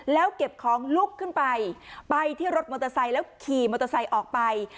แล้วเก็บของลุกขึ้นไปไปที่รถมอเตอร์ไซค์แล้วขี่มอเตอร์ไซค์ออกไป